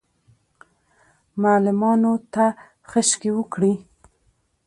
معلمانو ته خشکې وکړې.